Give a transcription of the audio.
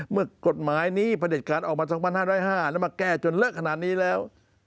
เมื่อกฎหมายนี้ประเด็จการออกมา๒๕๐๕แล้วมาแก้จนเลอะขนาดนี้แล้ว